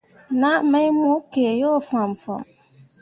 Naa mai mo kǝǝ yo fãmfãm.